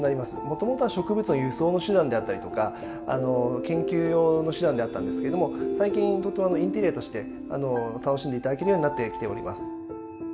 もともとは植物の輸送の手段であったりとか研究用の手段であったんですけれども最近とてもインテリアとして楽しんで頂けるようになってきております。